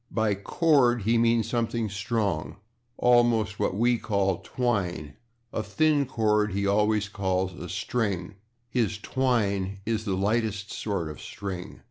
By /cord/ he means something strong, almost what we call /twine/; a thin cord he always calls a /string/; his /twine/ is the lightest sort of /string